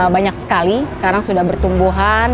banyak sekali sekarang sudah bertumbuhan